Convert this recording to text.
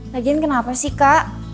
lagian kenapa sih kak